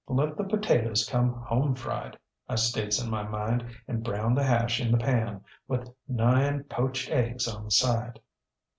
ŌĆśLet the potatoes come home fried, ŌĆÖ I states in my mind, ŌĆśand brown the hash in the pan, with nine poached eggs on the side.